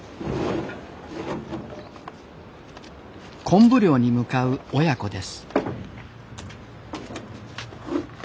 昆布漁に向かう親子です。